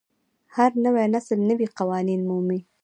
هر نوی نسل نوي قوانین مومي.